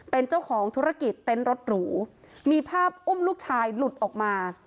เป็นเจ้าของธุรกิจเต็นต์รถหรูมีภาพอุ้มลูกชายหลุดออกมา